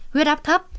huyết áp thấp